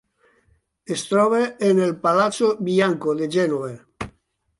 Es troba en el Palazzo Bianco de Gènova.